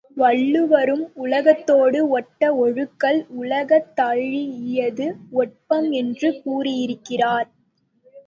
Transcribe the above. வள்ளுவரும், உலகத்தோடு ஒட்ட ஒழுகல் உலகந் தழீஇயது ஒட்பம் என்று கூறியிருக்கிறார்.